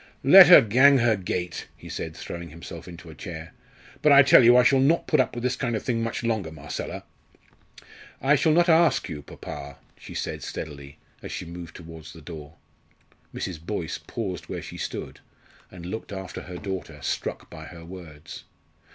"Let her gang her gait," he said, throwing himself into a chair. "But I tell you I shall not put up with this kind of thing much longer, Marcella." "I shall not ask you, papa," she said steadily, as she moved towards the door. Mrs. Boyce paused where she stood, and looked after her daughter, struck by her words.